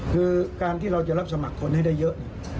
คือการที่เราจะรับสมัครคนให้ได้เยอะเนี่ย